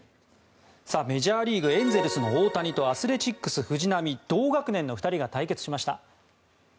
メジャーリーグエンゼルスの大谷とアスレチックス、藤浪同学年の２人が対決しました。